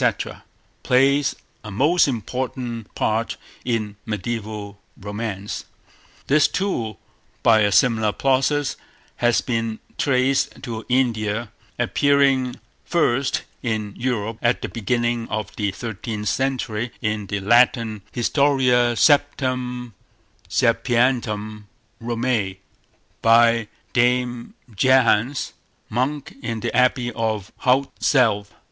—plays a most important part in mediaeval romance. This, too, by a similar process, has been traced to India, appearing first in Europe at the beginning of the thirteenth century in the Latin Historia Septem Sapientum Romae, by Dame Jehans, monk in the Abbey of Haute Selve.